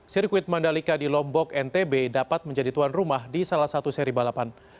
sirkuit mandalika di lombok ntb dapat menjadi tuan rumah di salah satu seri balapan